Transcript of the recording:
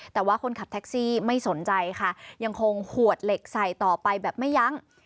แต่ว่าคนขับแท็กซี่ไม่สนใจค่ะยังคงขวดเหล็กใส่ต่อไปแบบไม่ยั้ง